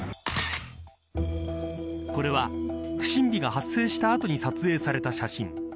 これは、不審火が発生した後に撮影された写真。